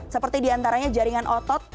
seperti di antaranya jaringan otot